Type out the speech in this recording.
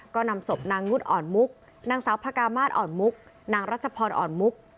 ก็นำศพนางงุดอ่อนมุกนางสาวพระกามาศอ่อนมุกนางรัชพรอ่อนมุก